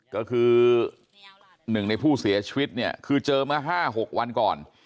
ก็คือ๑ในผู้เสียชีวิตเนี่ยคือเจอเมื่อ๕๖วันก่อน